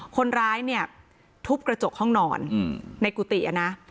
คนร้ายเนี่ยทุบกระจกห้องนอนอืมในกุฏิอ่ะนะครับ